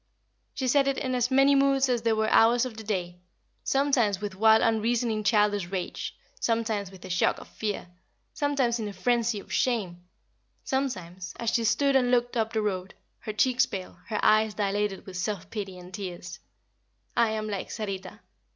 She said it in as many moods as there were hours of the day. Sometimes with wild unreasoning childish rage; sometimes with a shock of fear; sometimes in a frenzy of shame; sometimes, as she stood and looked up the road, her cheeks pale, her eyes dilated with self pity and tears. "I am like Sarita!